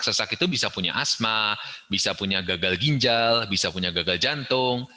sesak itu bisa punya asma bisa punya gagal ginjal bisa punya gagal jantung